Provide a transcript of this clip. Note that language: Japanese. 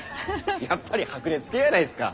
やっぱり白熱系やないですか。